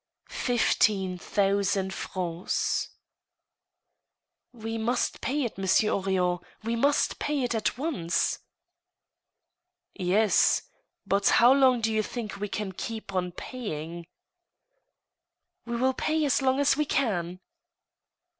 " Fifteen thousand francs I " 50 THE STEEL HAMMER. " We must pay it, Monsieur Henrion. We must pay it at once. " Yes. But how long do you think we can Iceep on paymg? "" We will pay as long as we can."